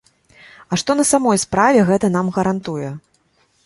А што на самой справе гэта нам гарантуе?